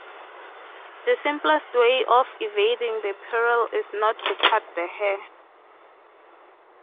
The simplest way of evading the peril is not to cut the hair.